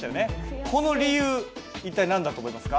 この理由一体何だと思いますか？